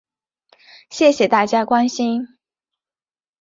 谢谢大家关心